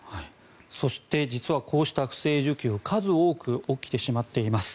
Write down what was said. そして実はこうした不正受給数多く起きてしまっています。